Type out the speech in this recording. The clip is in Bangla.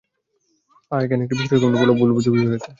হ্যাঁ, হ্যাঁ, এখনে একটা বিশ্রী রকমের ভুল বুঝাবুঝি হয়ে গেছে।